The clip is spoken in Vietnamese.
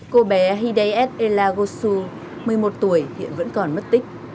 cô bé hidayet elagosu một mươi một tuổi hiện vẫn còn mất tích